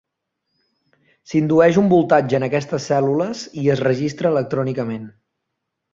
S'indueix un voltatge en aquests cèl·lules i es registra electrònicament.